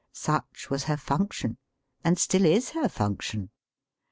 Such was her function, and still is her fimction.